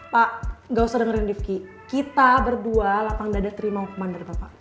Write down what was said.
pak gak usah dengerin rifqi kita berdua lapang dada terima hukuman daripada pak